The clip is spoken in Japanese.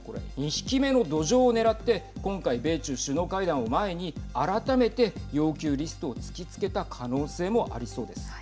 ２匹目のどじょうを狙って今回、米中首脳会談を前に改めて要求リストを突きつけた可能性もありそうです。